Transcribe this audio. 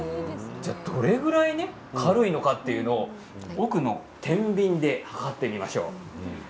どれぐらい軽いのかということを奥のてんびんで量ってみましょう。